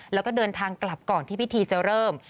แล้วก็เดินทางกลับก่อนที่พิธีจะเริ่ม